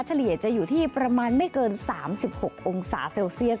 เฉลี่ยจะอยู่ที่ประมาณไม่เกิน๓๖องศาเซลเซียส